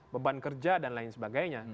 beban kerja dan lain sebagainya